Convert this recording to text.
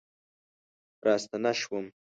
راستنه شوم